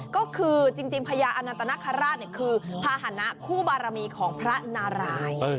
ก็คือจริงพญาอนันตนคราชคือภาษณะคู่บารมีของพระนาราย